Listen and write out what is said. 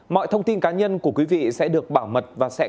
mọi thông tin cá nhân của quý vị sẽ được bảo mật và sẽ